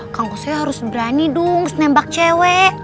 kang kusoy harus berani dong nembak cewek